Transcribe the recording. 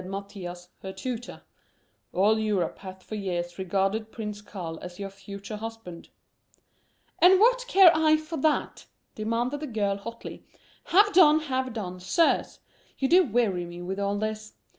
"And yet, Madam," said Mathias, her tutor, "all Europe hath for years regarded Prince Karl as your future husband." "And what care I for that?" demanded the girl, hotly. "Have done, have done, sirs! You do weary me with all this.